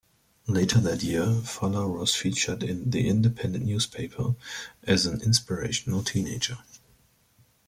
Later that year, Fuller was featured in "The Independent" newspaper as an "inspirational teenager".